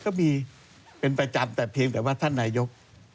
ก็มีเป็นประจำแต่เพียงแต่ว่าท่านนายก